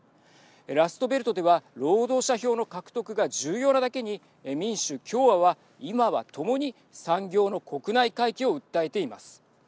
ラストベルトでは労働者票の獲得が重要なだけに民主、共和は今はともに産業の国内回帰を訴えています。